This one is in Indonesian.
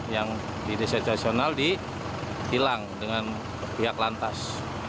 yang disituasional ditilang dengan pihak lantas